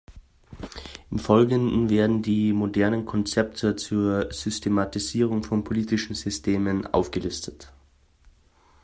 Im Folgenden werden die modernen Konzepte zur Systematisierung von politischen Systemen aufgelistet.